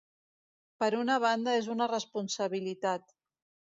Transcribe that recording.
Per una banda és una responsabilitat.